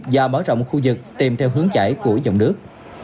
và mở rộng khu vực tìm theo hướng chảy của dòng nước